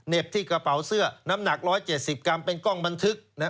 ที่กระเป๋าเสื้อน้ำหนัก๑๗๐กรัมเป็นกล้องบันทึก